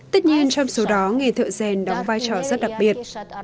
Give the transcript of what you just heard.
tất nhiên trong số đó nghề thợ rèn đóng vai trò rất đặc biệt